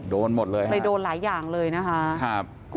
โดนหมดเลยเลยโดนหลายอย่างเลยนะคะ